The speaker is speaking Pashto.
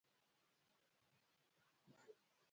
پیکورې خو بیخي له ترخې چکنۍ له ستوني نه ښکته کېږي.